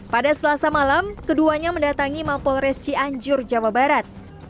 pada selasa malam keduanya mendatangi mampol resci anjur jawa barat